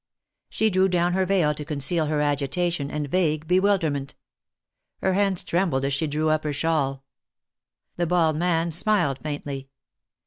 She drew down her veil to conceal her agitation and vague bewilderment. Her hands trembled as she drew up her shawl. The bald man smiled faintly.